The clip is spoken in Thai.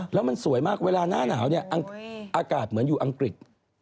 แล้วมันสวยมากเวลาหน้าหนาวเนี่ยอากาศเหมือนอยู่อังกฤษ